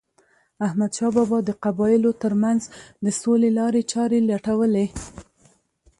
احمدشاه بابا د قبایلو ترمنځ د سولې لارې چارې لټولې.